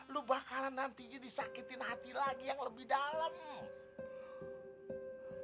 lu bakalan nanti disakitin hati lagi yang lebih dalam